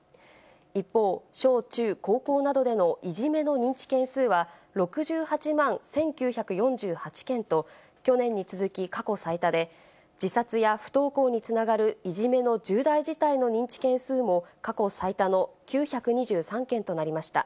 一方、小中高校などでのいじめの認知件数は、６８万１９４８件と、去年に続き、過去最多で、自殺や不登校につながるいじめの重大事態の認知件数も過去最多の９２３件となりました。